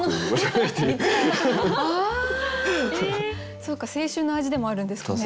そうか青春の味でもあるんですかね